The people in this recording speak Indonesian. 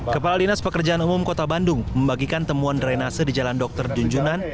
kepala dinas pekerjaan umum kota bandung membagikan temuan drenase di jalan dr junjunan